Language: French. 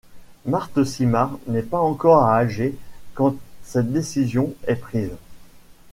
Marthe Simard n'est pas encore à Alger quand cette décision est prise.